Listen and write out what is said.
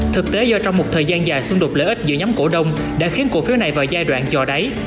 thực tế do trong một thời gian dài xung đột lợi ích giữa nhóm cổ đông đã khiến cổ phiếu này vào giai đoạn trò đáy